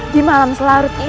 di malam selarut ini